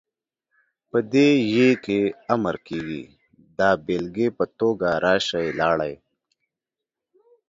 په دې ئ کې امر کيږي، دا بيلګې په توګه ، راشئ، لاړئ،